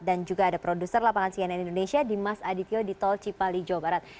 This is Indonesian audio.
dan juga ada produser lapangan cnn indonesia dimas adityo di tol cipali jawa barat